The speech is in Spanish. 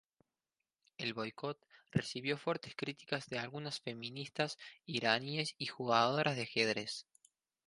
El boicot recibió fuertes críticas de algunas feministas iraníes y jugadoras de ajedrez.